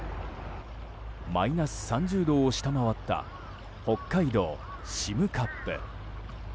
マイナス３０度を下回った北海道占冠。